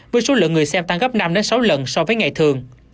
với số lượng người xem tăng gấp năm sáu lần so với ngày thường